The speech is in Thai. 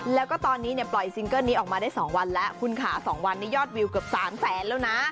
แล้วก็ตอนนี้เนี่ยปล่อยซิงเกิ้ลนี้ออกมาได้๒วันแล้วคุณค่ะ๒วันนี้ยอดวิวเกือบ๓แสนแล้วนะ